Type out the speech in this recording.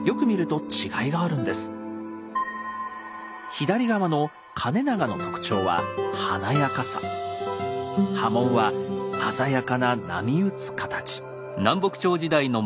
左側の「兼長」の特徴は刃文は鮮やかな波打つ形。